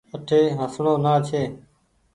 اٺي هسڻو نآ ڇي ۔